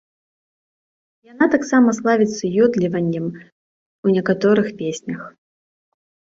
Яна таксама славіцца ёдліваннем у некаторых песнях.